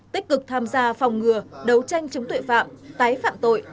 tích cực tham gia phòng ngừa đấu tranh chống tội phạm tái phạm tội